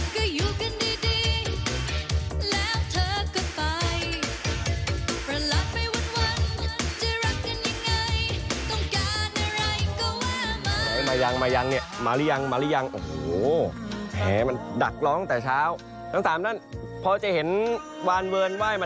ก็อยู่กันดีแล้วเธอก็ไปประหลาดไปวันจะรักกันยังไงต้องการอะไรก็ว่ามัน